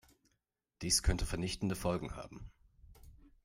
Dies könnte vernichtende Folgen haben.